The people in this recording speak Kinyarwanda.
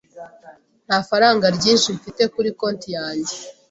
Nta faranga ryinshi mfite kuri konti yanjye.